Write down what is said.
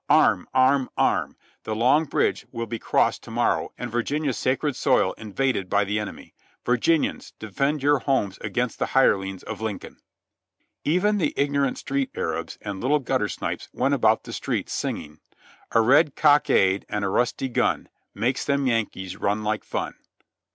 Arm! Arm!! Arm!!! The Long Bridge will be crossed to morrow and Virginia's sacred soil invaded by the enemy. Virginians, defend your homes against the hirelings of Lincoln." Even the ignorant street Arabs and little gutter snipes went about the streets singing: "A red cockade, and a rusty gun, Makes them Yankees run like fun."